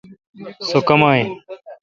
سوکما این۔